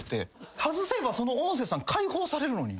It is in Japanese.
外せばその音声さん解放されるのに。